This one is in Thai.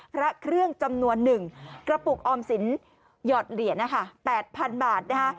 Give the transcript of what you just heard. พระเครื่องจำนวน๑กระปุกออมสินหยอดเหรียญนะคะ๘๐๐๐บาทนะคะ